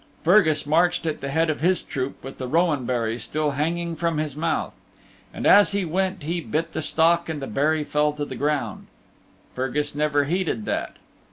Fergus marched at the head of his troop with the rowan berry still hanging from his mouth. And as he went he bit the stalk and the berry fell to the ground. Fergus never heeded that.